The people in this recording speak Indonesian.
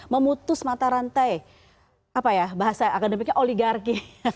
memutus mata rantai apa ya bahasa akademiknya oligarki